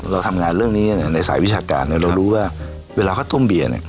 เราทำงานเรื่องนี้ในสายวิชาการเรารู้ว่าเวลาเขาต้มเบียร์